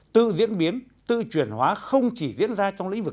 tự diễn biến tự truyền hóa không chỉ diễn ra trong lĩnh vực